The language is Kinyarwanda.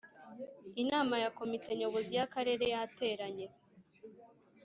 Inama ya Komite Nyobozi y’ Akarere yateranye